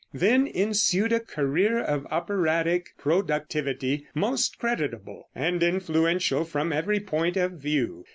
Then ensued a career of operatic productivity most creditable and influential from every point of view.